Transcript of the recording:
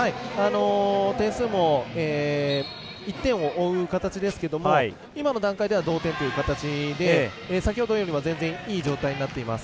点数も１点を追う形ですけども今の段階では同点という形で先ほどよりは、全然いい状態になっています。